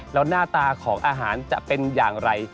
แล้วหน้าตาของอาหารจะเป็นอย่างไร